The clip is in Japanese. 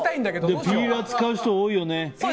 ピーラー使う人、多いよね。